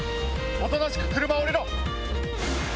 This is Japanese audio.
おとなしく車を降りろ。